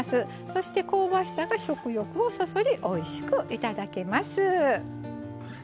そして、香ばしさが食欲をそそりおいしくいただけます。